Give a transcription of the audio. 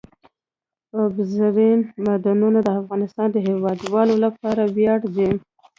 اوبزین معدنونه د افغانستان د هیوادوالو لپاره ویاړ دی.